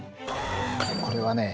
これはね